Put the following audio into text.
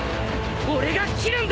俺が斬るんだ！